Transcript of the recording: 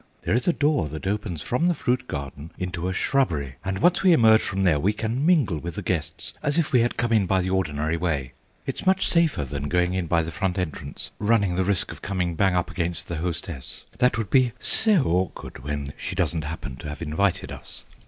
There is a door that opens from the fruit garden into a shrubbery, and once we emerge from there we can mingle with the guests as if we had come in by the ordinary way. It's much safer than going in by the front entrance and running the risk of coming bang up against the hostess; that would be so awkward when she doesn't happen to have invited us."